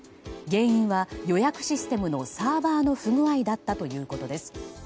原因は予約システムのサーバーの不具合だったということです。